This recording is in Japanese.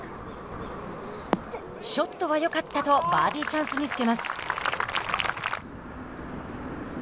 ショットはよかったとバーディーチャンスにつけます。